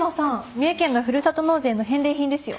三重県のふるさと納税の返礼品ですよ。